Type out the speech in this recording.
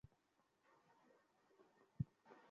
শুক্রবার আমার একটি বিশাল শো আছে, একগাদা নতুন পেইন্টিং নিয়ে।